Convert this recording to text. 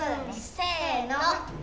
せの。